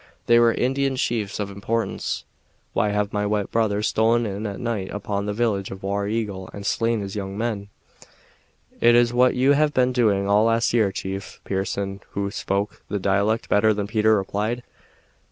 They were Indian chiefs of importance. "Why have my white brothers stolen in at night upon the village of War Eagle and slain his young men?" "It is what you have been doing all last year, chief," Pearson, who spoke the dialect better than Peter, replied.